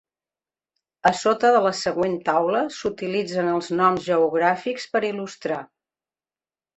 A sota de la següent taula s'utilitzen els noms geogràfics per il·lustrar.